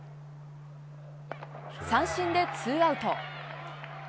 三振でツーアウト。